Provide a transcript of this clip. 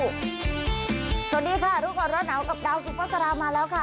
สวัสดีค่ะทุกคนรสหนาวกับดาวซุปเปอร์สารามาแล้วค่ะ